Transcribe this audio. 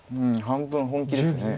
半分本気です。